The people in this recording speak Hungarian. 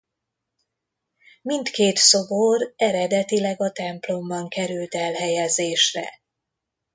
Mindkét szobor eredetileg a templomban került elhelyezésre.